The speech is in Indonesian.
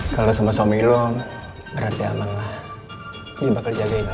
kalo sama suami lu berarti aman lah dia bakal jagain lu